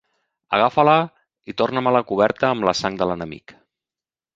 Agafa-la i torna-me-la coberta amb la sang de l'enemic.